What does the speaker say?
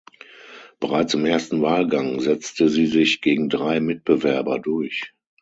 Bereits im ersten Wahlgang setzte sie sich gegen drei Mitbewerber durch.